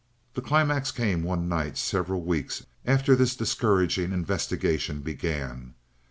The climax came one night several weeks after this discouraging investigation began.